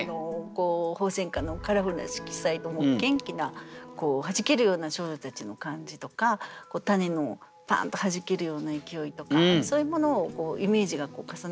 鳳仙花のカラフルな色彩と元気な弾けるような少女たちの感じとか種のパンッと弾けるような勢いとかそういうものをイメージが重なって。